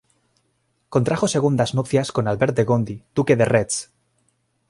Contrajo segundas nupcias con Albert de Gondi, duque de Retz.